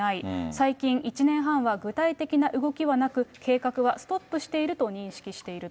最近１年半は、具体的な動きはなく、計画はストップしていると認識していると。